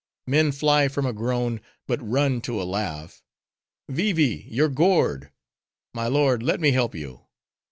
Men fly from a groan; but run to a laugh. Vee Vee! your gourd. My lord, let me help you.